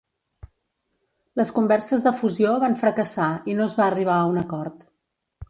Les converses de fusió van fracassar i no es va arribar a un acord.